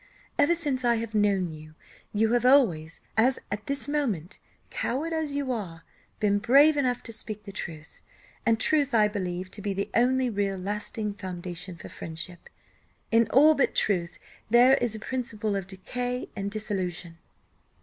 Ever since I have known you, you have always, as at this moment, coward as you are, been brave enough to speak the truth; and truth I believe to be the only real lasting foundation for friendship; in all but truth there is a principle of decay and dissolution.